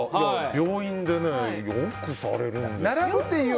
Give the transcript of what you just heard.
病院でよくされるんですよ。